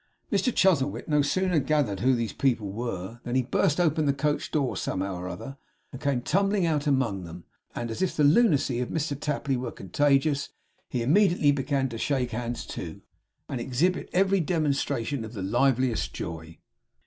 Mr Chuzzlewit no sooner gathered who these people were, than he burst open the coach door somehow or other, and came tumbling out among them; and as if the lunacy of Mr Tapley were contagious, he immediately began to shake hands too, and exhibit every demonstration of the liveliest joy.